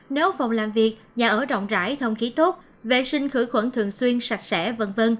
nếu phòng làm việc nhà ở rộng rãi không khí tốt vệ sinh khử khuẩn thường xuyên sạch sẽ v v